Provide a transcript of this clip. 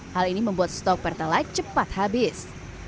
hal ini membuat stok pertalite cepat habis